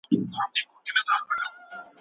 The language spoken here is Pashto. د هغه نظریات د علم په برخه کي مهم دي.